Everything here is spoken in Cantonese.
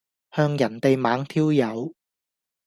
向人地猛挑誘